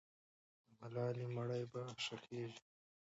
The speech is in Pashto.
د ملالۍ مړی به ښخېږي.